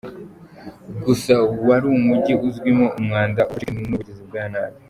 Gusa wari umujyi uzwimo umwanda, ubucucike n’ubugizi bwa nabi.